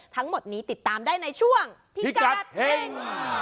ทั้งหมดนี้ติดตามได้ในช่วงพิกัดเฮ่ง